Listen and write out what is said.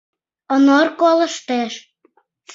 Онор колыштеш.